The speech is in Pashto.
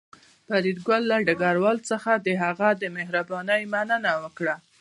فریدګل له ډګروال څخه د هغه د مهربانۍ مننه وکړه